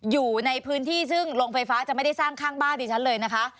อยู่ในพื้นที่ซึ่งโรงไฟฟ้าจะไม่ได้สร้างข้างบ้านดิฉันเลยนะคะ